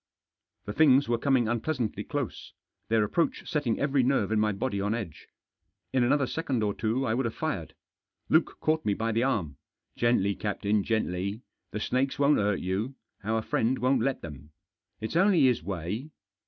The things were coming unpleasantly close — their approach setting every nerve in my body on edge. In another second or two I would have fired. Luke caught me by the arm. "Gently, captain, gently. The snakes won't hurt you ; our friend won't let them. It's only his way.